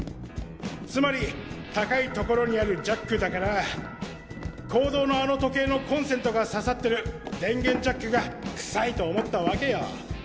つまり高い所にあるジャックだから講堂のあの時計のコンセントがささってる電源ジャックが臭いと思ったワケよ！